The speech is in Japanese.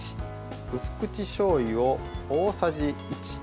うす口しょうゆを大さじ１。